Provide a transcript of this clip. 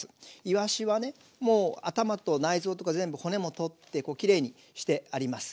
いわしはねもう頭と内臓とか全部骨も取ってきれいにしてあります。